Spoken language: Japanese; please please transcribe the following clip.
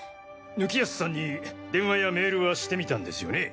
貫康さんに電話やメールはしてみたんですよね？